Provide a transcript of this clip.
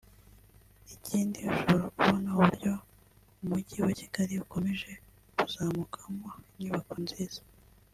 Ikindi ushobora kubona uburyo umujyi wa Kigali ukomeje kuzamukamo inyubako nziza